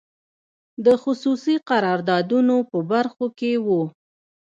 د خصوصي قراردادونو په برخو کې وو.